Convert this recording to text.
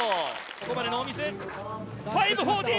ここまでノーミス